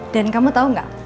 dan kamu tau gak